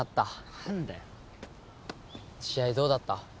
何だよ試合どうだった？